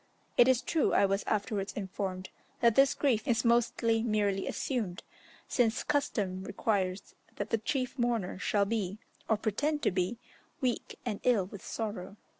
It is true, I was afterwards informed that this grief is mostly merely assumed, since custom requires that the chief mourner shall be, or pretend to be, weak and ill with sorrow.